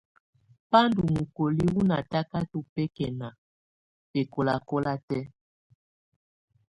Ba ndù mokoli wù natakatɔ bɛkɛna bɛkɔlakɔla tɛ̀á.